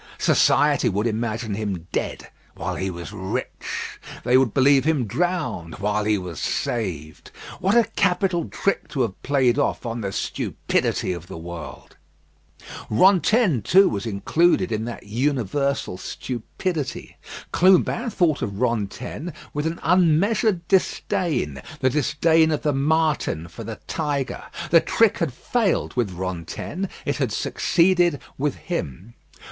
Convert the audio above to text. Society would imagine him dead, while he was rich. They would believe him drowned, while he was saved. What a capital trick to have played off on the stupidity of the world. Rantaine, too, was included in that universal stupidity. Clubin thought of Rantaine with an unmeasured disdain: the disdain of the marten for the tiger. The trick had failed with Rantaine; it had succeeded with him.